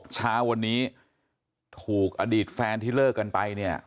เช้าวันนี้ถูกอดีตแฟนที่เลิกกันไปเนี่ย